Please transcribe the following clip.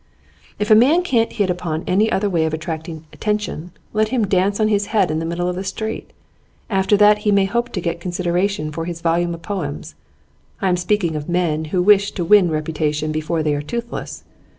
If a man can't hit upon any other way of attracting attention, let him dance on his head in the middle of the street; after that he may hope to get consideration for his volume of poems. I am speaking of men who wish to win reputation before they are toothless.